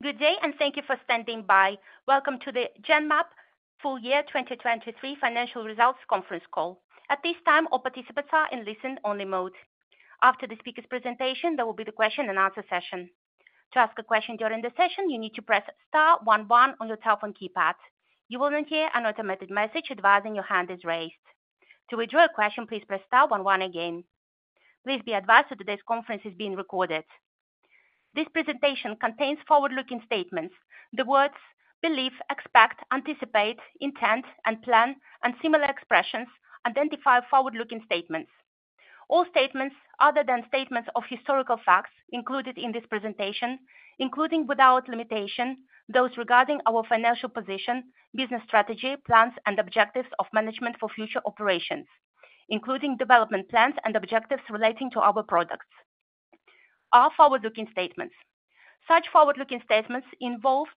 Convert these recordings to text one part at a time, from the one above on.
Good day, and thank you for standing by. Welcome to the Genmab Full Year 2023 Financial Results Conference Call. At this time, all participants are in listen-only mode. After the speaker's presentation, there will be the question and answer session. To ask a question during the session, you need to press star one-one on your telephone keypad. You will then hear an automated message advising your hand is raised. To withdraw a question, please press star one one again. Please be advised that today's conference is being recorded. This presentation contains forward-looking statements. The words believe, expect, anticipate, intent, and plan, and similar expressions identify forward-looking statements. All statements other than statements of historical facts included in this presentation, including without limitation, those regarding our financial position, business strategy, plans, and objectives of management for future operations, including development plans and objectives relating to our products, are forward-looking statements. Such forward-looking statements involve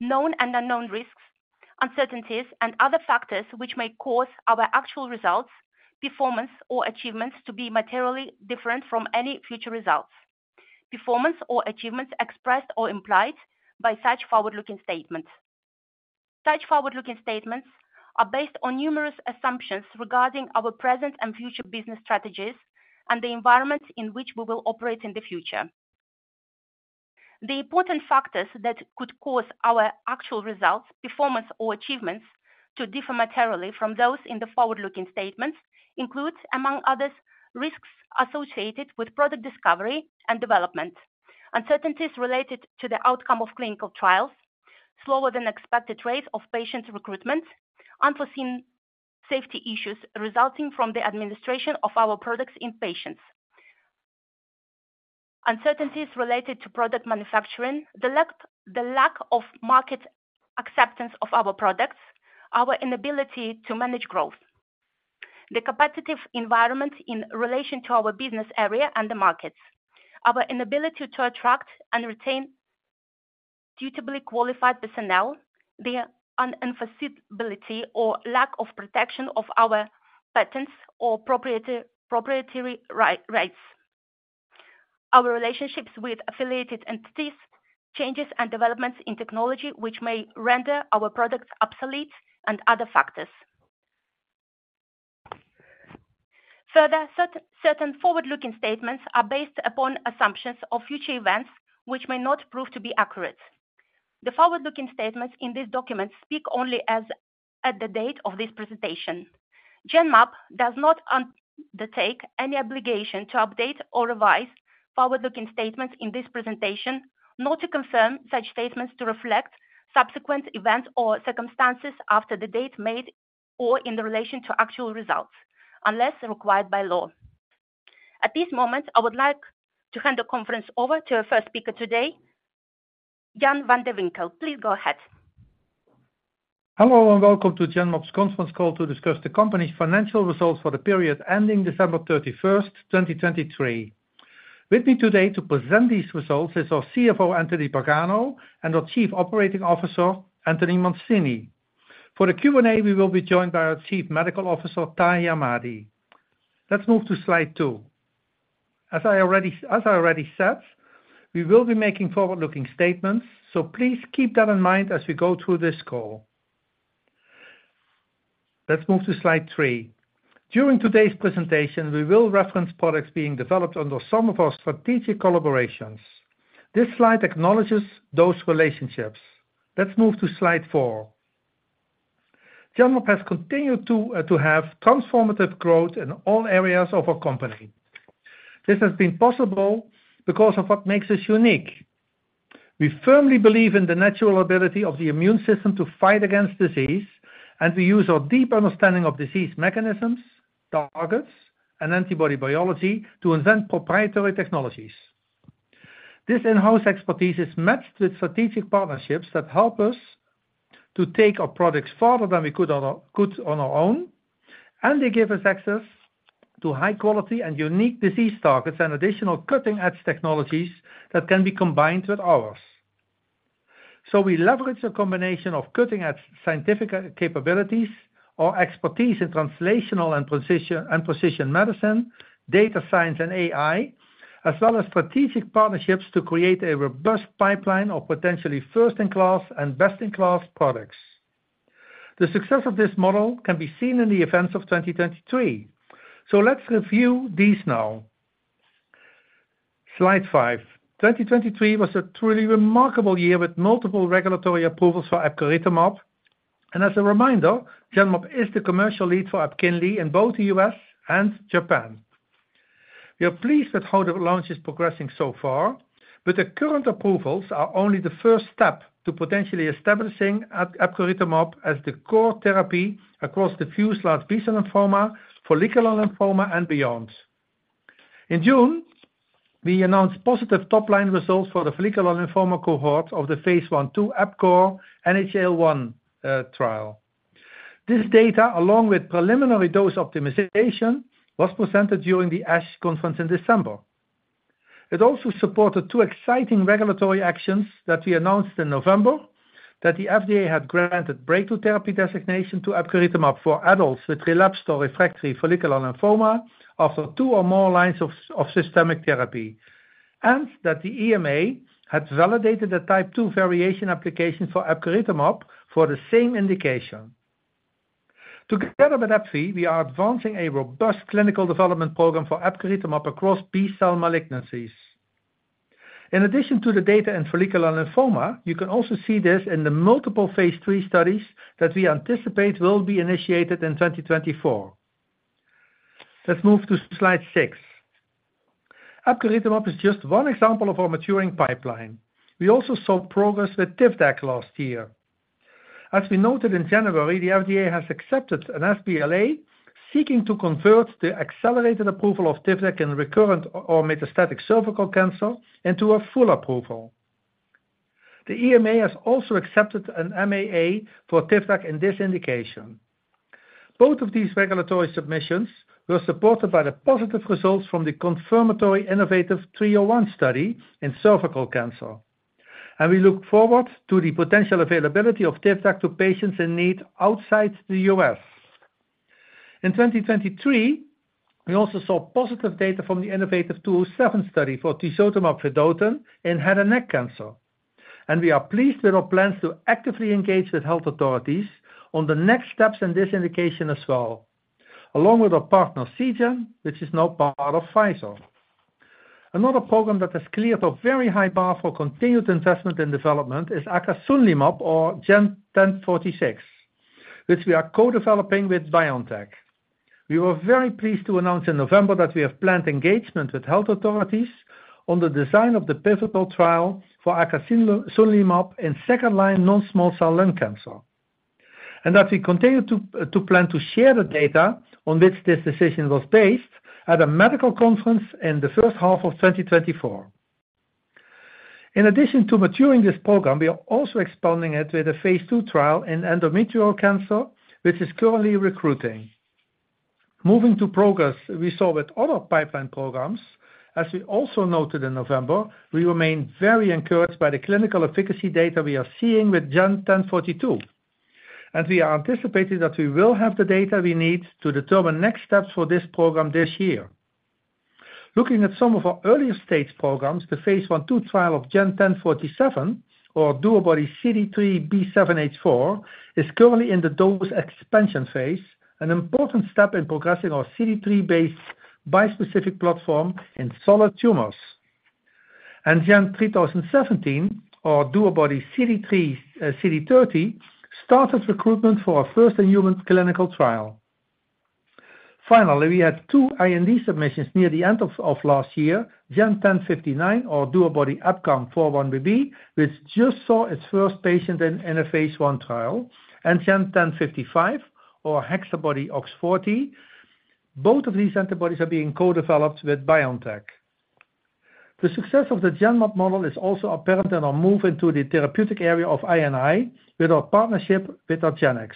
known and unknown risks, uncertainties, and other factors which may cause our actual results, performance, or achievements to be materially different from any future results, performance or achievements expressed or implied by such forward-looking statements. Such forward-looking statements are based on numerous assumptions regarding our present and future business strategies and the environment in which we will operate in the future. The important factors that could cause our actual results, performance, or achievements to differ materially from those in the forward-looking statements includes, among others, risks associated with product discovery and development, uncertainties related to the outcome of clinical trials, slower than expected rates of patient recruitment, unforeseen safety issues resulting from the administration of our products in patients. Uncertainties related to product manufacturing, the lack of market acceptance of our products, our inability to manage growth, the competitive environment in relation to our business area and the markets, our inability to attract and retain suitably qualified personnel, the unforeseeability or lack of protection of our patents or proprietary rights, our relationships with affiliated entities, changes and developments in technology, which may render our products obsolete and other factors. Further, certain forward-looking statements are based upon assumptions of future events, which may not prove to be accurate. The forward-looking statements in this document speak only as at the date of this presentation. Genmab does not undertake any obligation to update or revise forward-looking statements in this presentation, nor to confirm such statements to reflect subsequent events or circumstances after the date made, or in relation to actual results, unless required by law. At this moment, I would like to hand the conference over to our first speaker today, Jan van de Winkel. Please go ahead. Hello, and welcome to Genmab's conference call to discuss the company's financial results for the period ending December 31, 2023. With me today to present these results is our CFO, Anthony Pagano, and our Chief Operating Officer, Anthony Mancini. For the Q&A, we will be joined by our Chief Medical Officer, Tahamtan Ahmadi. Let's move to slide 2. As I already, as I already said, we will be making forward-looking statements, so please keep that in mind as we go through this call. Let's move to slide 3. During today's presentation, we will reference products being developed under some of our strategic collaborations. This slide acknowledges those relationships. Let's move to slide 4. Genmab has continued to, to have transformative growth in all areas of our company. This has been possible because of what makes us unique. We firmly believe in the natural ability of the immune system to fight against disease, and we use our deep understanding of disease mechanisms, targets, and antibody biology to invent proprietary technologies. This in-house expertise is matched with strategic partnerships that help us to take our products farther than we could on our own, and they give us access to high quality and unique disease targets and additional cutting-edge technologies that can be combined with ours. So we leverage a combination of cutting-edge scientific capabilities or expertise in translational and precision medicine, data science and AI, as well as strategic partnerships to create a robust pipeline of potentially first-in-class and best-in-class products. The success of this model can be seen in the events of 2023. So let's review these now. Slide five. 2023 was a truly remarkable year with multiple regulatory approvals for epcoritamab, and as a reminder, Genmab is the commercial lead for EPKINLY in both the U.S. and Japan. We are pleased with how the launch is progressing so far, but the current approvals are only the first step to potentially establishing epcoritamab as the core therapy across diffuse large B-cell lymphoma, follicular lymphoma, and beyond. In June, we announced positive top-line results for the follicular lymphoma cohort of the phase 1/2 EPCORE NHL-1 trial. This data, along with preliminary dose optimization, was presented during the ASH conference in December. It also supported two exciting regulatory actions that we announced in November. that the FDA had granted breakthrough therapy designation to epcoritamab for adults with relapsed or refractory follicular lymphoma after two or more lines of systemic therapy, and that the EMA had validated a type two variation application for epcoritamab for the same indication. Together with AbbVie, we are advancing a robust clinical development program for epcoritamab across B-cell malignancies. In addition to the data in follicular lymphoma, you can also see this in the multiple phase 3 studies that we anticipate will be initiated in 2024. Let's move to slide 6. Epcoritamab is just one example of our maturing pipeline. We also saw progress with Tivdak last year. As we noted in January, the FDA has accepted an sBLA, seeking to convert the accelerated approval of Tivdak in recurrent or metastatic cervical cancer into a full approval. The EMA has also accepted an MAA for Tivdak in this indication. Both of these regulatory submissions were supported by the positive results from the Confirmatory innovaTV 301 study in cervical cancer, and we look forward to the potential availability of Tivdak to patients in need outside the U.S. In 2023, we also saw positive data from the innovaTV 207 study for tisotumab vedotin in head and neck cancer, and we are pleased with our plans to actively engage with health authorities on the next steps in this indication as well, along with our partner Seagen, which is now part of Pfizer. Another program that has cleared a very high bar for continued investment in development is acasunlimab, or GEN1046, which we are co-developing with BioNTech. We were very pleased to announce in November that we have planned engagement with health authorities on the design of the pivotal trial for acasunlimab in second-line non-small cell lung cancer, and that we continue to plan to share the data on which this decision was based at a medical conference in the first half of 2024. In addition to maturing this program, we are also expanding it with a phase two trial in endometrial cancer, which is currently recruiting. Moving to progress we saw with other pipeline programs, as we also noted in November, we remain very encouraged by the clinical efficacy data we are seeing with GEN1042, and we are anticipating that we will have the data we need to determine next steps for this program this year. Looking at some of our earlier-stage programs, the phase 1/2 trial of GEN1047, or DuoBody-CD3xB7H4, is currently in the dose expansion phase, an important step in progressing our CD3-based bispecific platform in solid tumors. GEN3017, or DuoBody-CD3xCD30, started recruitment for our first-in-human clinical trial. Finally, we had 2 IND submissions near the end of last year, GEN1059 or DuoBody-EpCAMx4-1BB, which just saw its first patient in a phase 1 trial, and GEN1055 or HexaBody-OX40. Both of these antibodies are being co-developed with BioNTech. The success of the Genmab model is also apparent in our move into the therapeutic area of I&I with our partnership with argenx.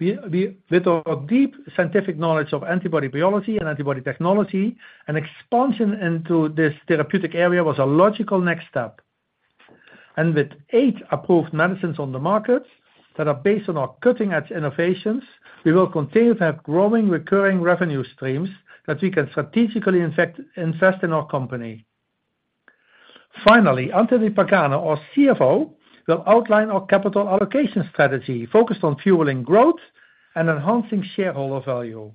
With our deep scientific knowledge of antibody biology and antibody technology, an expansion into this therapeutic area was a logical next step, and with eight approved medicines on the market that are based on our cutting-edge innovations, we will continue to have growing, recurring revenue streams that we can strategically invest in our company. Finally, Anthony Pagano, our CFO, will outline our capital allocation strategy focused on fueling growth and enhancing shareholder value.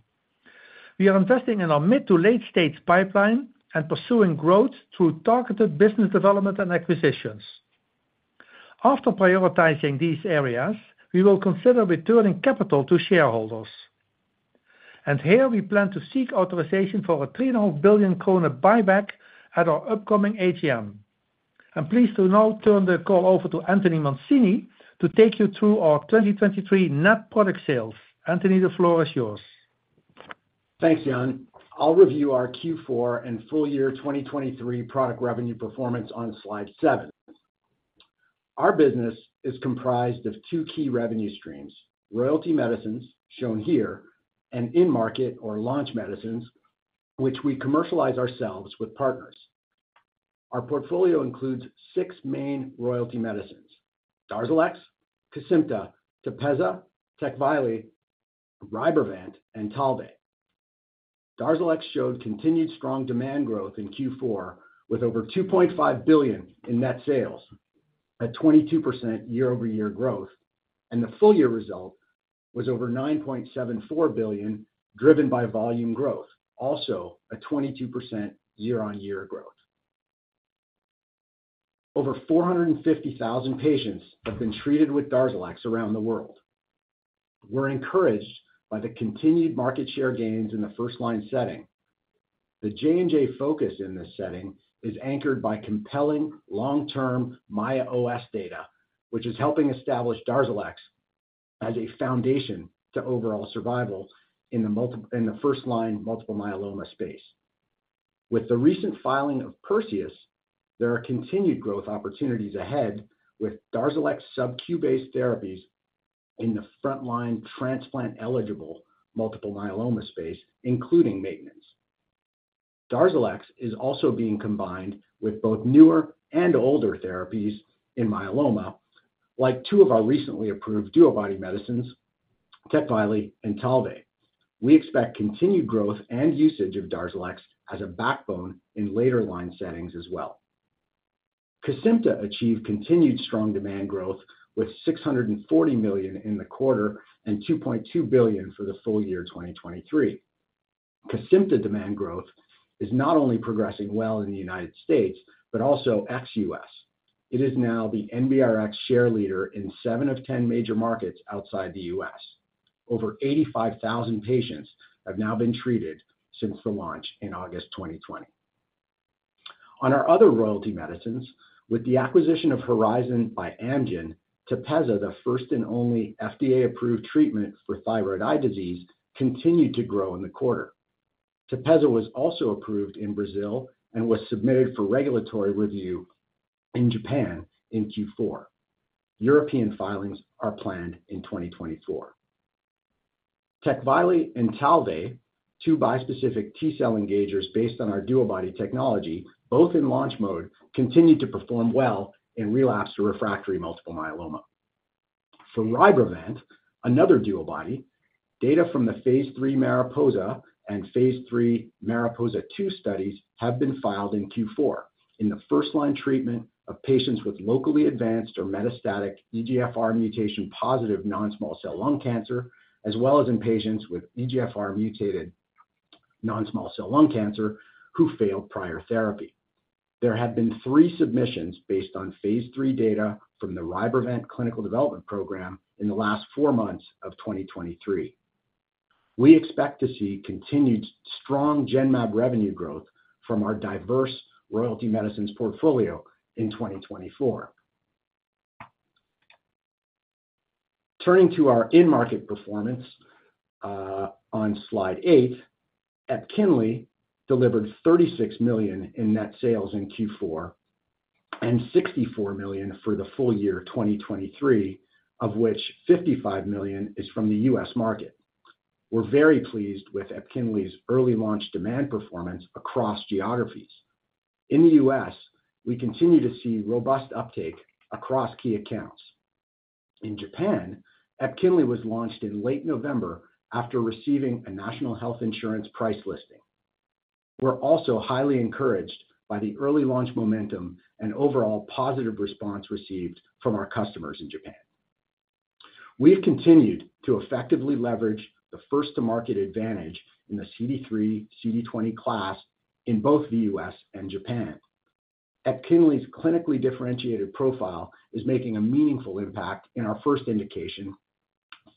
We are investing in our mid-to-late stage pipeline and pursuing growth through targeted business development and acquisitions. After prioritizing these areas, we will consider returning capital to shareholders, and here we plan to seek authorization for a 3.5 billion kroner buyback at our upcoming AGM. I'm pleased to now turn the call over to Anthony Mancini to take you through our 2023 net product sales. Anthony, the floor is yours. Thanks, Jan. I'll review our Q4 and full year 2023 product revenue performance on slide 7. Our business is comprised of two key revenue streams: royalty medicines, shown here, and in-market or launch medicines, which we commercialize ourselves with partners. Our portfolio includes six main royalty medicines: DARZALEX, Kisqali, TEPEZZA, TECVAYLI, RYBREVANT, and TALVEY. DARZALEX showed continued strong demand growth in Q4, with over $2.5 billion in net sales at 22% year-over-year growth, and the full year result was over $9.74 billion, driven by volume growth, also a 22% year-on-year growth. Over 450,000 patients have been treated with DARZALEX around the world. We're encouraged by the continued market share gains in the first-line setting. The J&J focus in this setting is anchored by compelling long-term MAIA-OS data, which is helping establish DARZALEX as a foundation to overall survival in the first-line multiple myeloma space. With the recent filing of Perseus, there are continued growth opportunities ahead with DARZALEX subQ-based therapies in the front-line transplant-eligible multiple myeloma space, including maintenance. DARZALEX is also being combined with both newer and older therapies in myeloma, like two of our recently approved DuoBody medicines, TECVAYLI and TALVEY. We expect continued growth and usage of DARZALEX as a backbone in later line settings as well. Kesimpta achieved continued strong demand growth, with $640 million in the quarter and $2.2 billion for the full year 2023. Kesimpta demand growth is not only progressing well in the United States, but also ex-US. It is now the NBRX share leader in 7 of 10 major markets outside the U.S. Over 85,000 patients have now been treated since the launch in August 2020. On our other royalty medicines, with the acquisition of Horizon by Amgen, TEPEZZA, the first and only FDA-approved treatment for thyroid eye disease, continued to grow in the quarter. TEPEZZA was also approved in Brazil and was submitted for regulatory review in Japan in Q4. European filings are planned in 2024. TECVAYLI and TALVEY, two bispecific T-cell engagers based on our dual body technology, both in launch mode, continued to perform well in relapsed or refractory multiple myeloma. For RYBREVANT, another dual body, data from the Phase III Mariposa and Phase III MARIPOSA-2 studies have been filed in Q4. In the first-line treatment of patients with locally advanced or metastatic EGFR mutation-positive non-small cell lung cancer, as well as in patients with EGFR mutated non-small cell lung cancer who failed prior therapy. There have been 3 submissions based on Phase III data from the RYBREVANT clinical development program in the last 4 months of 2023. We expect to see continued strong Genmab revenue growth from our diverse royalty medicines portfolio in 2024. Turning to our in-market performance, on Slide 8, EPKINLY delivered $36 million in net sales in Q4, and $64 million for the full year 2023, of which $55 million is from the U.S. market. We're very pleased with EPKINLY's early launch demand performance across geographies. In the U.S., we continue to see robust uptake across key accounts. In Japan, EPKINLY was launched in late November after receiving a national health insurance price listing. We're also highly encouraged by the early launch momentum and overall positive response received from our customers in Japan. We have continued to effectively leverage the first-to-market advantage in the CD3/CD20 class in both the U.S. and Japan. EPKINLY's clinically differentiated profile is making a meaningful impact in our first indication,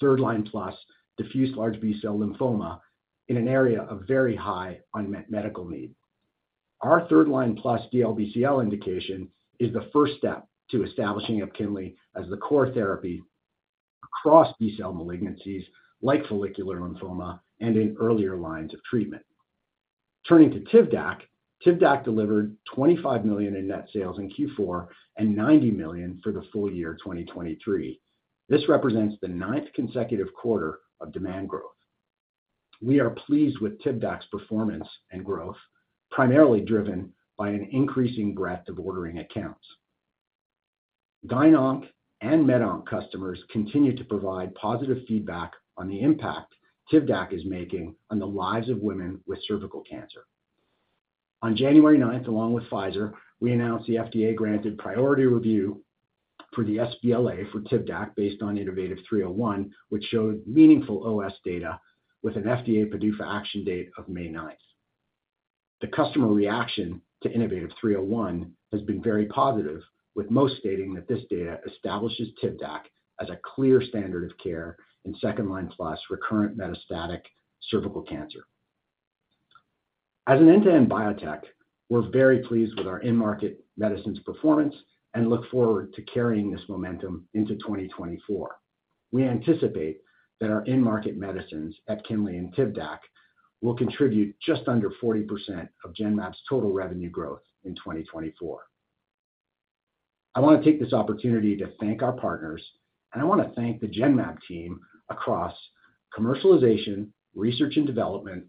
third-line-plus diffuse large B-cell lymphoma, in an area of very high unmet medical need. Our third-line-plus DLBCL indication is the first step to establishing EPKINLY as the core therapy across B-cell malignancies like follicular lymphoma and in earlier lines of treatment. Turning to Tivdak. Tivdak delivered 25 million in net sales in Q4 and 90 million for the full year 2023. This represents the ninth consecutive quarter of demand growth. We are pleased with Tivdak's performance and growth, primarily driven by an increasing breadth of ordering accounts. GynOnc and MedOnc customers continue to provide positive feedback on the impact Tivdak is making on the lives of women with cervical cancer. On January 9, along with Pfizer, we announced the FDA granted priority review for the sBLA for Tivdak based on innovaTV 301, which showed meaningful OS data with an FDA PDUFA action date of May 9. The customer reaction to innovaTV 301 has been very positive, with most stating that this data establishes Tivdak as a clear standard of care in second-line-plus recurrent metastatic cervical cancer. As an end-to-end biotech, we're very pleased with our in-market medicines performance and look forward to carrying this momentum into 2024. We anticipate that our in-market medicines, EPKINLY and Tivdak, will contribute just under 40% of Genmab's total revenue growth in 2024. I want to take this opportunity to thank our partners, and I want to thank the Genmab team across commercialization, research and development,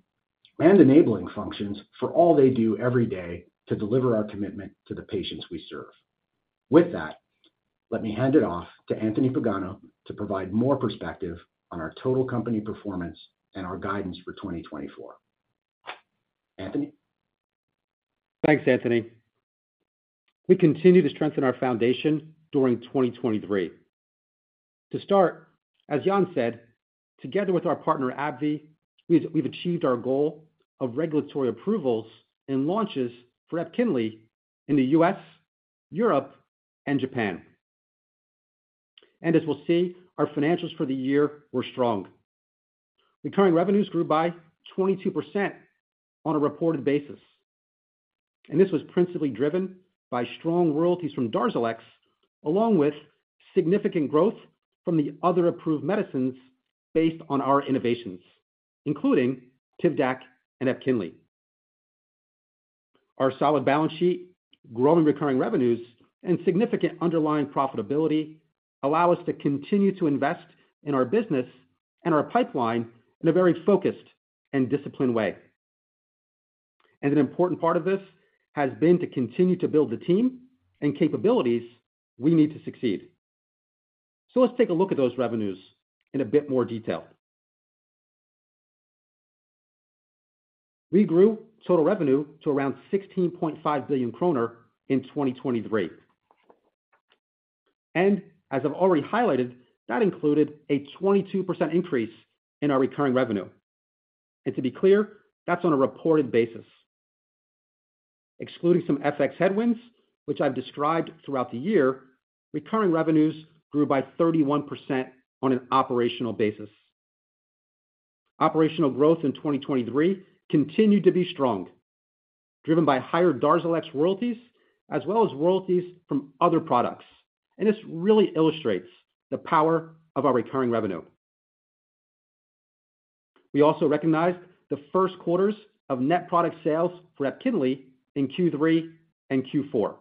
and enabling functions for all they do every day to deliver our commitment to the patients we serve. With that, let me hand it off to Anthony Pagano to provide more perspective on our total company performance and our guidance for 2024. Anthony? Thanks, Anthony. We continued to strengthen our foundation during 2023. To start, as Jan said, together with our partner, AbbVie, we've, we've achieved our goal of regulatory approvals and launches for EPKINLY in the U.S., Europe, and Japan. And as we'll see, our financials for the year were strong. Recurring revenues grew by 22% on a reported basis, and this was principally driven by strong royalties from DARZALEX, along with significant growth from the other approved medicines based on our innovations, including Tivdak and EPKINLY.... Our solid balance sheet, growing recurring revenues, and significant underlying profitability allow us to continue to invest in our business and our pipeline in a very focused and disciplined way. And an important part of this has been to continue to build the team and capabilities we need to succeed. So let's take a look at those revenues in a bit more detail. We grew total revenue to around 16.5 billion kroner in 2023. As I've already highlighted, that included a 22% increase in our recurring revenue. To be clear, that's on a reported basis. Excluding some FX headwinds, which I've described throughout the year, recurring revenues grew by 31% on an operational basis. Operational growth in 2023 continued to be strong, driven by higher DARZALEX royalties as well as royalties from other products. This really illustrates the power of our recurring revenue. We also recognized the first quarters of net product sales for EPKINLY in Q3 and Q4,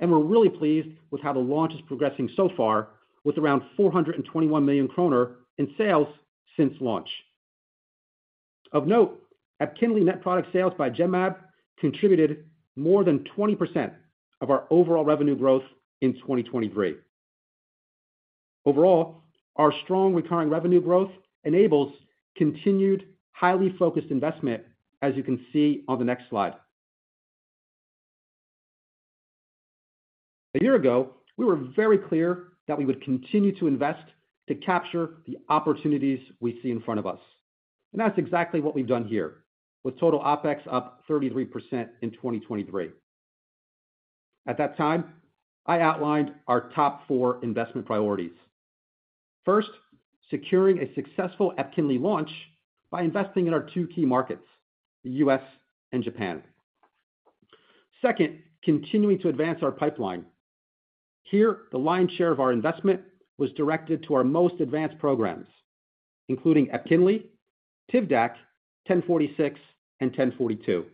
and we're really pleased with how the launch is progressing so far, with around 421 million kroner in sales since launch. Of note, EPKINLY net product sales by Genmab contributed more than 20% of our overall revenue growth in 2023. Overall, our strong recurring revenue growth enables continued, highly focused investment, as you can see on the next slide. A year ago, we were very clear that we would continue to invest to capture the opportunities we see in front of us, and that's exactly what we've done here, with total OpEx up 33% in 2023. At that time, I outlined our top four investment priorities. First, securing a successful EPKINLY launch by investing in our two key markets, the U.S. and Japan. Second, continuing to advance our pipeline. Here, the lion's share of our investment was directed to our most advanced programs, including EPKINLY, Tivdak, 1046, and 1042.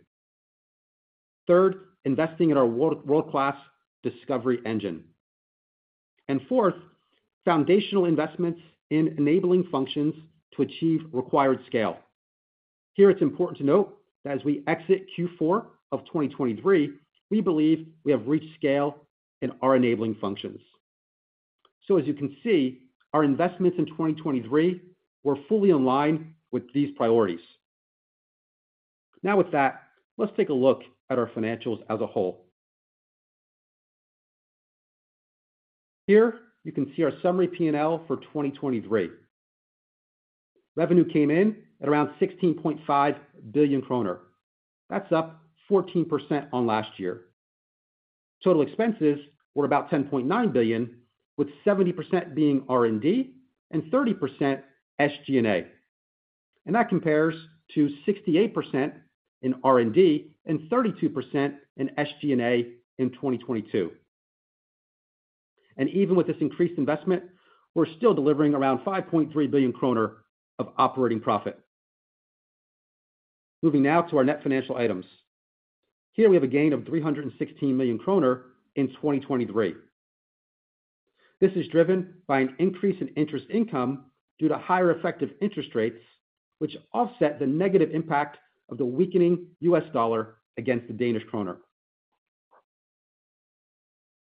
Third, investing in our world-class discovery engine. And fourth, foundational investments in enabling functions to achieve required scale. Here it's important to note that as we exit Q4 of 2023, we believe we have reached scale in our enabling functions. So as you can see, our investments in 2023 were fully aligned with these priorities. Now, with that, let's take a look at our financials as a whole. Here you can see our summary P&L for 2023. Revenue came in at around 16.5 billion kroner. That's up 14% on last year. Total expenses were about 10.9 billion, with 70% being R&D and 30% SG&A, and that compares to 68% in R&D and 32% in SG&A in 2022. Even with this increased investment, we're still delivering around 5.3 billion kroner of operating profit. Moving now to our net financial items. Here we have a gain of 316 million kroner in 2023. This is driven by an increase in interest income due to higher effective interest rates, which offset the negative impact of the weakening U.S. dollar against the Danish kroner.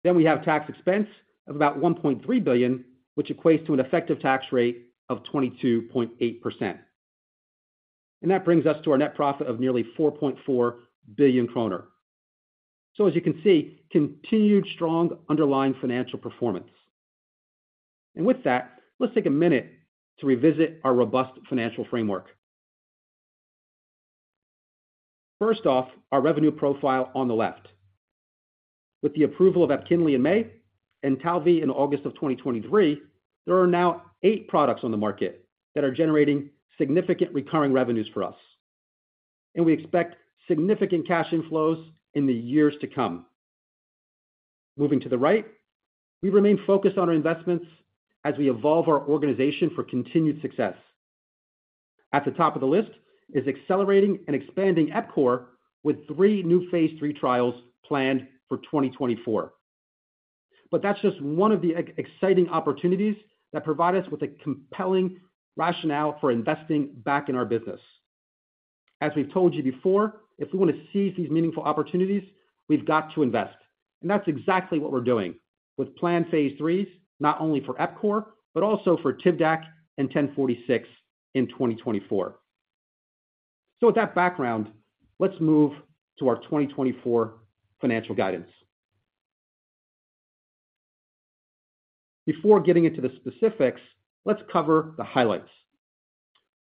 Then we have tax expense of about 1.3 billion, which equates to an effective tax rate of 22.8%. And that brings us to our net profit of nearly 4.4 billion kroner. So as you can see, continued strong underlying financial performance. And with that, let's take a minute to revisit our robust financial framework. First off, our revenue profile on the left. With the approval of EPKINLY in May and TALVEY in August of 2023, there are now eight products on the market that are generating significant recurring revenues for us, and we expect significant cash inflows in the years to come. Moving to the right, we remain focused on our investments as we evolve our organization for continued success. At the top of the list is accelerating and expanding EPKINLY, with three new phase III trials planned for 2024. But that's just one of the exciting opportunities that provide us with a compelling rationale for investing back in our business. As we've told you before, if we want to seize these meaningful opportunities, we've got to invest, and that's exactly what we're doing with planned phase III, not only for EPKINLY, but also for Tivdak and 1046 in 2024. So with that background, let's move to our 2024 financial guidance. Before getting into the specifics, let's cover the highlights.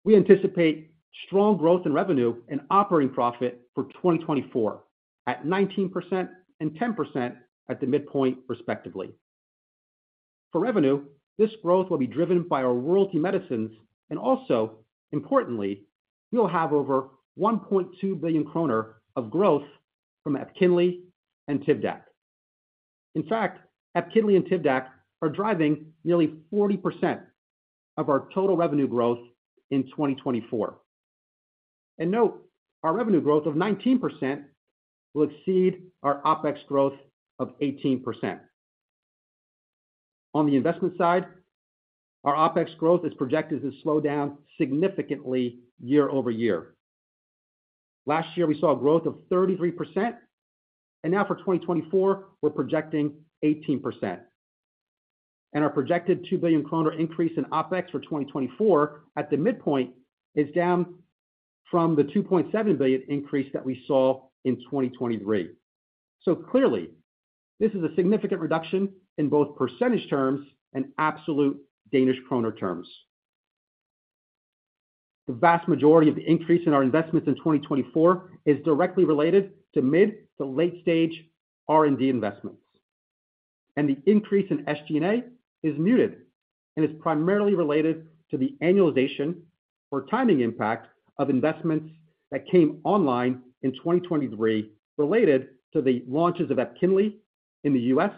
We anticipate strong growth in revenue and operating profit for 2024, at 19% and 10% at the midpoint, respectively. For revenue, this growth will be driven by our royalty medicines and also, importantly, we will have over 1.2 billion kroner of growth from EPKINLY and Tivdak.... In fact, EPKINLY and Tivdak are driving nearly 40% of our total revenue growth in 2024. And note, our revenue growth of 19% will exceed our OpEx growth of 18%. On the investment side, our OpEx growth is projected to slow down significantly year-over-year. Last year, we saw a growth of 33%, and now for 2024, we're projecting 18%. Our projected 2 billion kroner increase in OpEx for 2024 at the midpoint is down from the 2.7 billion increase that we saw in 2023. Clearly, this is a significant reduction in both percentage terms and absolute Danish kroner terms. The vast majority of the increase in our investments in 2024 is directly related to mid- to late-stage R&D investments, and the increase in SG&A is muted and is primarily related to the annualization or timing impact of investments that came online in 2023 related to the launches of EPKINLY in the U.S.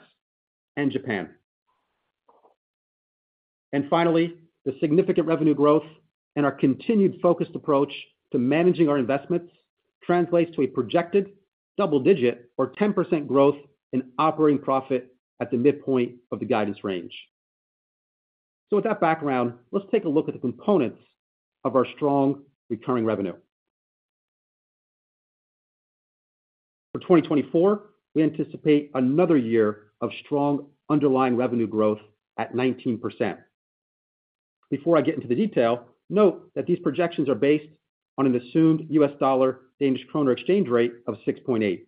and Japan. Finally, the significant revenue growth and our continued focused approach to managing our investments translates to a projected double-digit or 10% growth in operating profit at the midpoint of the guidance range. So with that background, let's take a look at the components of our strong recurring revenue. For 2024, we anticipate another year of strong underlying revenue growth at 19%. Before I get into the detail, note that these projections are based on an assumed USD/DKK exchange rate of 6.8.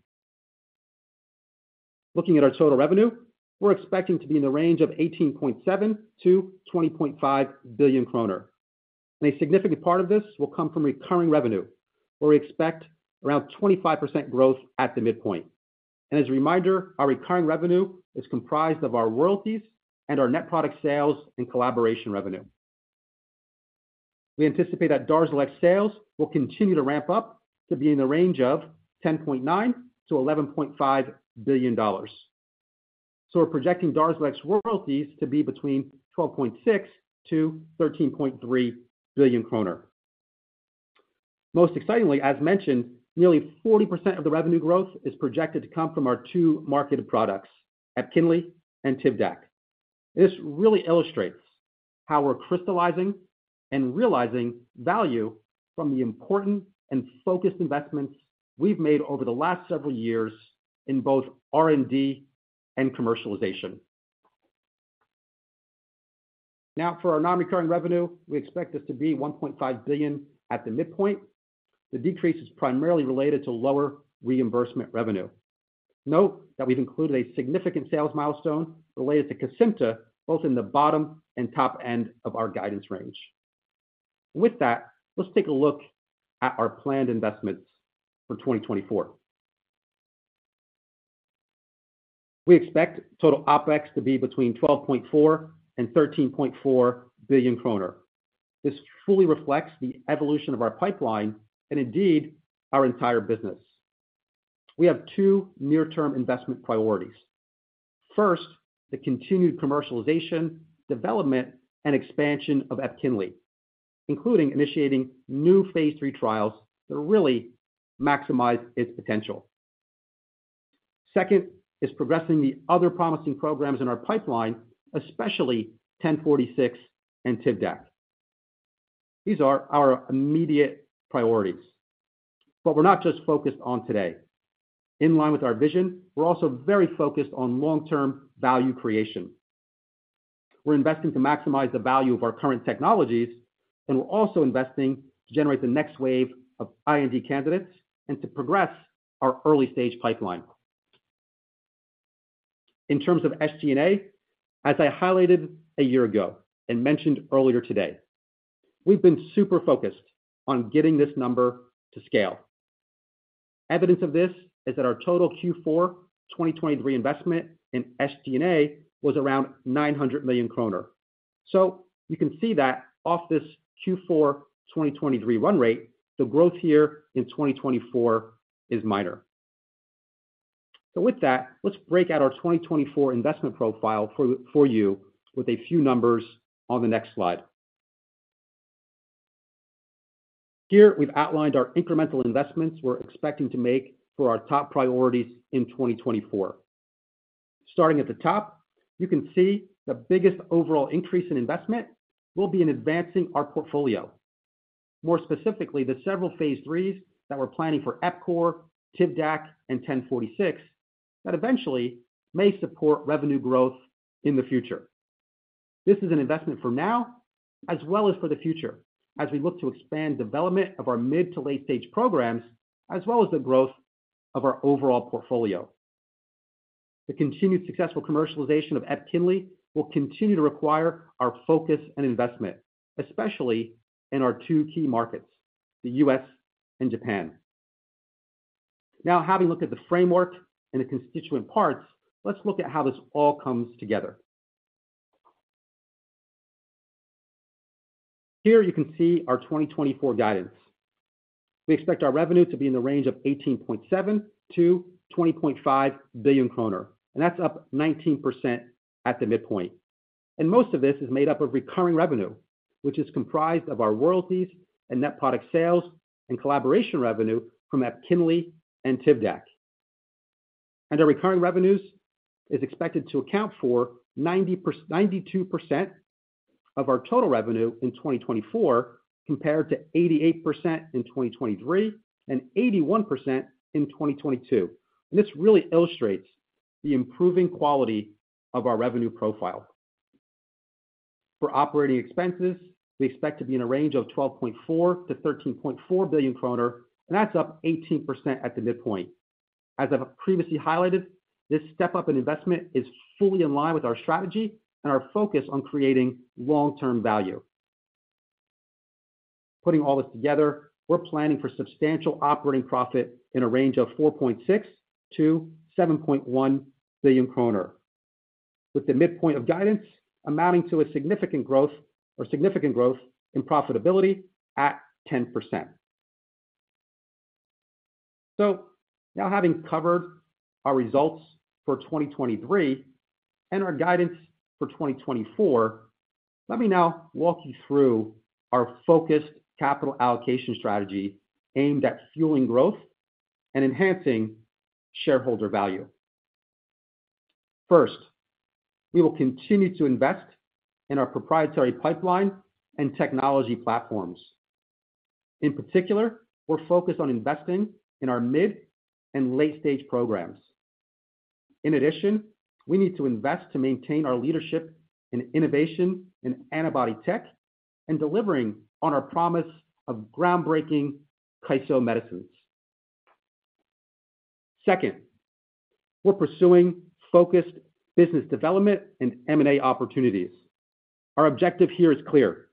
Looking at our total revenue, we're expecting to be in the range of 18.7 billion-20.5 billion kroner, and a significant part of this will come from recurring revenue, where we expect around 25% growth at the midpoint. And as a reminder, our recurring revenue is comprised of our royalties and our net product sales and collaboration revenue. We anticipate that DARZALEX sales will continue to ramp up to be in the range of $10.9 billion-$11.5 billion. So we're projecting DARZALEX royalties to be between 12.6 billion-13.3 billion kroner. Most excitingly, as mentioned, nearly 40% of the revenue growth is projected to come from our two marketed products, EPKINLY and Tivdak. This really illustrates how we're crystallizing and realizing value from the important and focused investments we've made over the last several years in both R&D and commercialization. Now, for our non-recurring revenue, we expect this to be 1.5 billion at the midpoint. The decrease is primarily related to lower reimbursement revenue. Note that we've included a significant sales milestone related to Kesimpta, both in the bottom and top end of our guidance range. With that, let's take a look at our planned investments for 2024. We expect total OpEx to be between 12.4 billion-13.4 billion kroner. This truly reflects the evolution of our pipeline and indeed, our entire business. We have two near-term investment priorities. First, the continued commercialization, development, and expansion of EPKINLY, including initiating new phase 3 trials that really maximize its potential. Second, is progressing the other promising programs in our pipeline, especially ten forty-six and Tivdak. These are our immediate priorities, but we're not just focused on today. In line with our vision, we're also very focused on long-term value creation. We're investing to maximize the value of our current technologies, and we're also investing to generate the next wave of R&D candidates and to progress our early-stage pipeline. In terms of SG&A, as I highlighted a year ago and mentioned earlier today, we've been super focused on getting this number to scale. Evidence of this is that our total Q4 2023 investment in SG&A was around 900 million kroner. So you can see that off this Q4 2023 run rate, the growth here in 2024 is minor. So with that, let's break out our 2024 investment profile for you with a few numbers on the next slide. Here, we've outlined our incremental investments we're expecting to make for our top priorities in 2024. Starting at the top, you can see the biggest overall increase in investment will be in advancing our portfolio. More specifically, the several phase 3s that we're planning for epcoritamab, Tivdak, and 1046, that eventually may support revenue growth in the future. This is an investment for now as well as for the future, as we look to expand development of our mid- to late-stage programs, as well as the growth of our overall portfolio. The continued successful commercialization of EPKINLY will continue to require our focus and investment, especially in our two key markets, the U.S. and Japan. Now, having looked at the framework and the constituent parts, let's look at how this all comes together... Here you can see our 2024 guidance. We expect our revenue to be in the range of 18.7 billion-20.5 billion kroner, and that's up 19% at the midpoint. Most of this is made up of recurring revenue, which is comprised of our royalties and net product sales and collaboration revenue from EPKINLY and Tivdak. Our recurring revenues is expected to account for 92% of our total revenue in 2024, compared to 88% in 2023 and 81% in 2022. This really illustrates the improving quality of our revenue profile. For operating expenses, we expect to be in a range of 12.4 billion-13.4 billion kroner, and that's up 18% at the midpoint. As I've previously highlighted, this step-up in investment is fully in line with our strategy and our focus on creating long-term value. Putting all this together, we're planning for substantial operating profit in a range of 4.6 billion-7.1 billion kroner, with the midpoint of guidance amounting to a significant growth or significant growth in profitability at 10%. So now having covered our results for 2023 and our guidance for 2024, let me now walk you through our focused capital allocation strategy aimed at fueling growth and enhancing shareholder value. First, we will continue to invest in our proprietary pipeline and technology platforms. In particular, we're focused on investing in our mid- and late-stage programs. In addition, we need to invest to maintain our leadership in innovation in antibody tech and delivering on our promise of groundbreaking KYSO medicines. Second, we're pursuing focused business development and M&A opportunities. Our objective here is clear: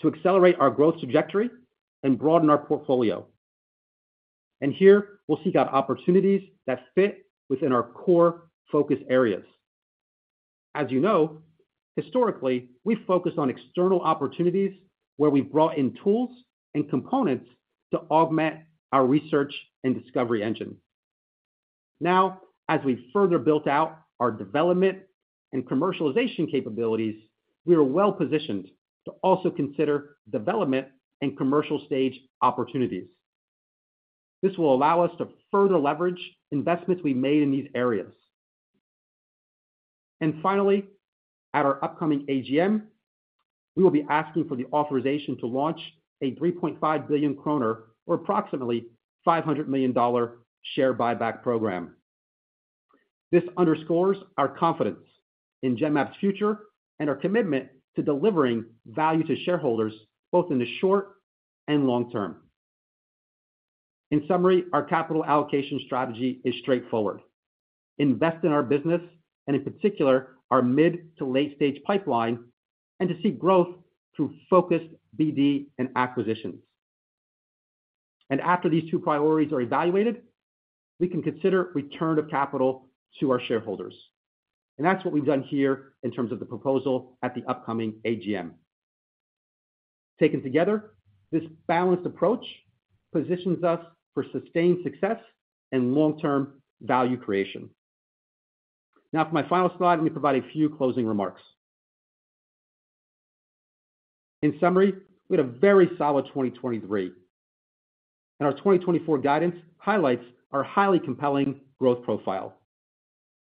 to accelerate our growth trajectory and broaden our portfolio. And here we'll seek out opportunities that fit within our core focus areas. As you know, historically, we've focused on external opportunities, where we've brought in tools and components to augment our research and discovery engine. Now, as we've further built out our development and commercialization capabilities, we are well-positioned to also consider development and commercial stage opportunities. This will allow us to further leverage investments we made in these areas. And finally, at our upcoming AGM, we will be asking for the authorization to launch a 3.5 billion kroner, or approximately $500 million dollar, share buyback program. This underscores our confidence in Genmab's future and our commitment to delivering value to shareholders, both in the short and long term. In summary, our capital allocation strategy is straightforward: invest in our business and in particular, our mid- to late-stage pipeline, and to seek growth through focused BD and acquisitions. After these two priorities are evaluated, we can consider return of capital to our shareholders, and that's what we've done here in terms of the proposal at the upcoming AGM. Taken together, this balanced approach positions us for sustained success and long-term value creation. Now, for my final slide, let me provide a few closing remarks. In summary, we had a very solid 2023, and our 2024 guidance highlights our highly compelling growth profile.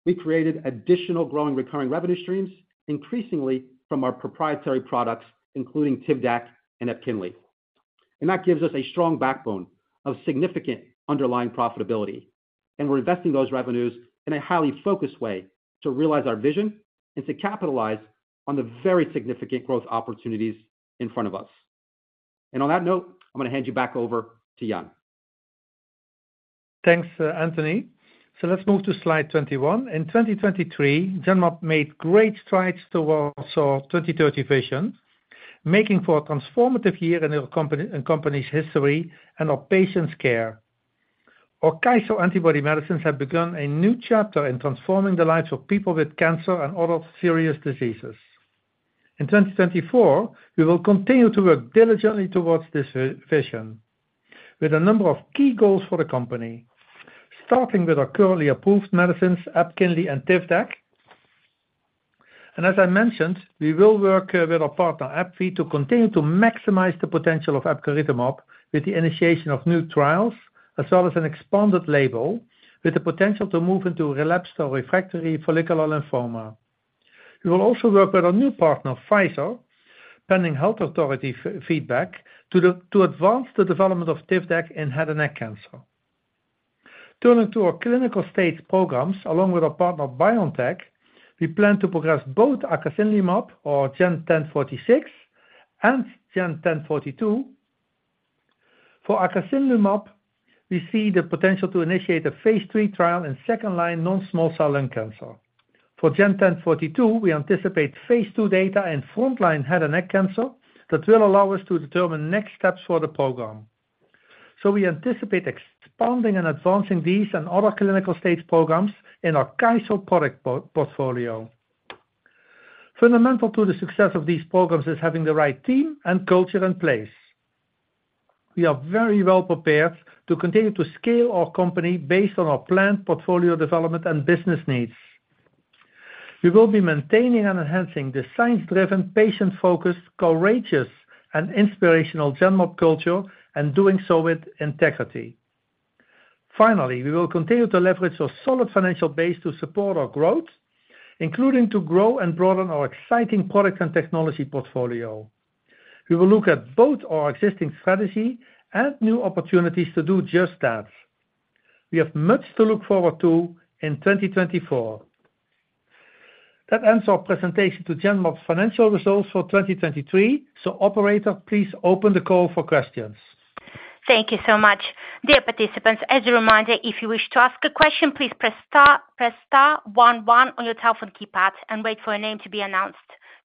We created additional growing recurring revenue streams, increasingly from our proprietary products, including Tivdak and EPKINLY, and that gives us a strong backbone of significant underlying profitability. We're investing those revenues in a highly focused way to realize our vision and to capitalize on the very significant growth opportunities in front of us. On that note, I'm going to hand you back over to Jan. Thanks, Anthony. So let's move to slide 21. In 2023, Genmab made great strides towards our 2030 vision, making for a transformative year in our company's history and our patients' care. Our KYSO antibody medicines have begun a new chapter in transforming the lives of people with cancer and other serious diseases. In 2024, we will continue to work diligently towards this vision with a number of key goals for the company, starting with our currently approved medicines, EPKINLY and Tivdak. And as I mentioned, we will work with our partner AbbVie, to continue to maximize the potential of epcoritamab with the initiation of new trials, as well as an expanded label with the potential to move into relapsed or refractory follicular lymphoma. We will also work with our new partner, Pfizer, pending health authority feedback, to advance the development of Tivdak in head and neck cancer. Turning to our clinical stage programs, along with our partner, BioNTech, we plan to progress both acasunlimab or GEN-1046 and GEN-1042. For acasunlimab, we see the potential to initiate a phase 3 trial in second-line non-small cell lung cancer. For GEN-1042, we anticipate phase 2 data in frontline head and neck cancer that will allow us to determine next steps for the program. We anticipate expanding and advancing these and other clinical-stage programs in our KYSO product portfolio. Fundamental to the success of these programs is having the right team and culture in place. We are very well prepared to continue to scale our company based on our planned portfolio development and business needs. We will be maintaining and enhancing the science-driven, patient-focused, courageous and inspirational Genmab culture, and doing so with integrity. Finally, we will continue to leverage our solid financial base to support our growth, including to grow and broaden our exciting product and technology portfolio. We will look at both our existing strategy and new opportunities to do just that. We have much to look forward to in 2024. That ends our presentation to Genmab's financial results for 2023. So operator, please open the call for questions. Thank you so much. Dear participants, as a reminder, if you wish to ask a question, please press star, press star one one on your telephone keypad and wait for your name to be announced.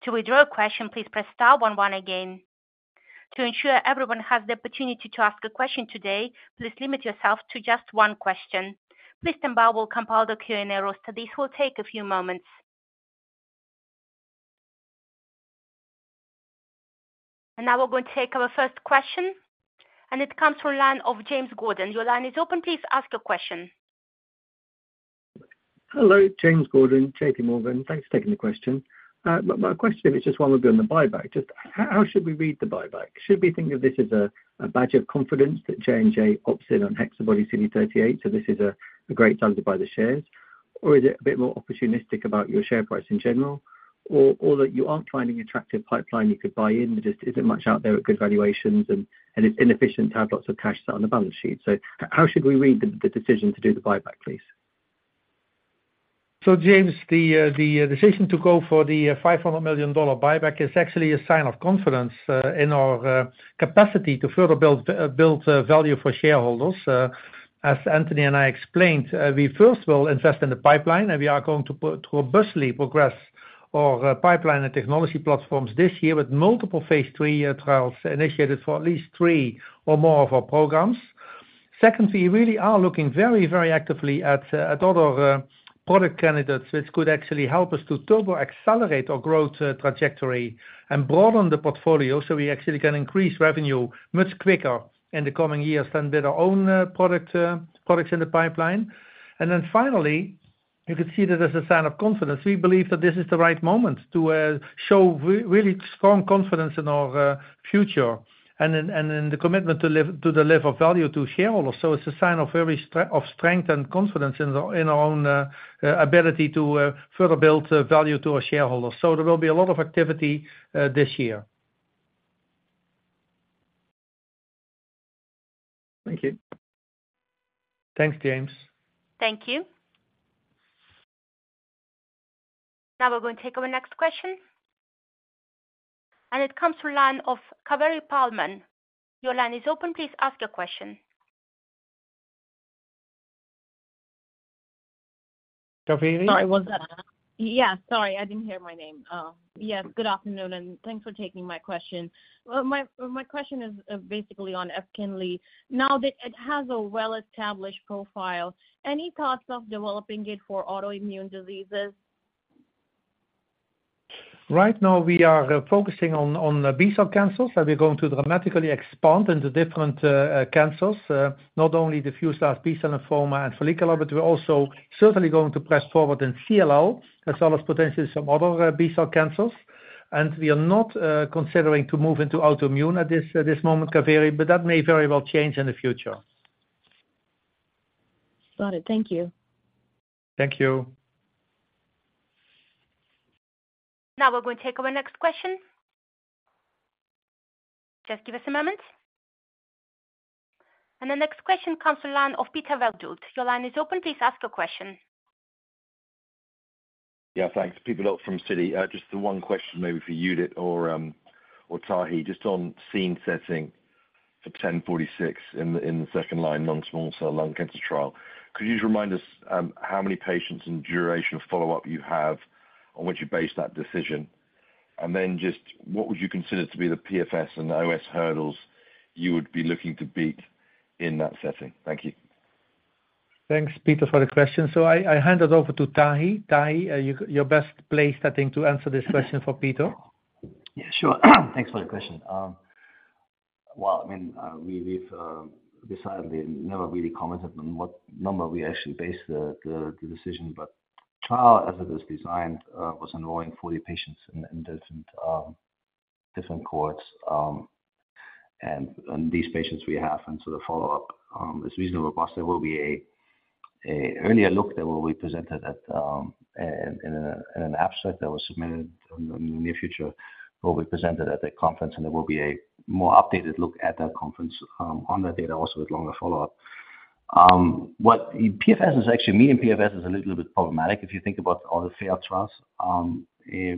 To withdraw a question, please press star one one again. To ensure everyone has the opportunity to ask a question today, please limit yourself to just one question. Please stand by. We'll compile the Q&A roster. This will take a few moments. And now we're going to take our first question, and it comes from line of James Gordon. Your line is open. Please ask your question. Hello, James Gordon, JP Morgan. Thanks for taking the question. My question is just one will be on the buyback. Just how should we read the buyback? Should we think of this as a badge of confidence that JNJ opted on HexaBody CD38, so this is a great time to buy the shares, or is it a bit more opportunistic about your share price in general? Or that you aren't finding attractive pipeline you could buy in, there just isn't much out there at good valuations, and it's inefficient to have lots of cash sit on the balance sheet. So how should we read the decision to do the buyback, please? So James, the decision to go for the $500 million buyback is actually a sign of confidence in our capacity to further build value for shareholders. As Anthony and I explained, we first will invest in the pipeline, and we are going to put robustly progress our pipeline and technology platforms this year with multiple phase 3 trials initiated for at least three or more of our programs. Second, we really are looking very, very actively at other product candidates, which could actually help us to turbo accelerate our growth trajectory and broaden the portfolio, so we actually can increase revenue much quicker in the coming years than with our own product products in the pipeline. And then finally, you can see that as a sign of confidence, we believe that this is the right moment to show really strong confidence in our future and in the commitment to deliver value to shareholders. So it's a sign of very strong confidence in our own ability to further build value to our shareholders. So there will be a lot of activity this year. Thank you. Thanks, James. Thank you. Now we're going to take our next question, and it comes from line of Kaveri Pohlman. Your line is open. Please ask your question. Caveri? Sorry, what's that? Yeah, sorry, I didn't hear my name. Yes, good afternoon, and thanks for taking my question. Well, my, my question is basically on EPKINLY. Now that it has a well-established profile, any thoughts of developing it for autoimmune diseases? Right now we are focusing on B-cell cancers, and we're going to dramatically expand into different cancers, not only diffuse large B-cell lymphoma and follicular, but we're also certainly going to press forward in CLL, as well as potentially some other B-cell cancers. And we are not considering to move into autoimmune at this moment, Kaveri, but that may very well change in the future. Got it. Thank you. Thank you. Now we're going to take our next question. Just give us a moment. The next question comes to the line of Peter Verdult. Your line is open. Please ask your question. Yeah, thanks. Peter Verdult from Citi. Just the one question maybe for Judith or Tahi, just on scene setting for ten forty-six in the, in the second-line, non-small cell lung cancer trial. Could you just remind us, how many patients and duration of follow-up you have, on which you base that decision? And then just what would you consider to be the PFS and OS hurdles you would be looking to beat in that setting? Thank you. Thanks, Peter, for the question. So, I, I hand it over to Tahi. Tahi, are you your best placed, I think, to answer this question for Peter? Yeah, sure. Thanks for the question. Well, I mean, we've decided we never really commented on what number we actually based the decision, but the trial, as it is designed, was enrolling 40 patients in different cohorts. And these patients we have, and so the follow-up is reasonably robust. There will be an earlier look that will be presented at a conference in an abstract that was submitted in the near future, and there will be a more updated look at that conference on that data also with longer follow-up. What PFS is actually... mean, PFS is a little bit problematic if you think about all the failed trials,